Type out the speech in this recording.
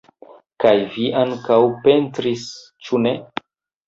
Kaj vi ankaŭ pentris, ĉu ne?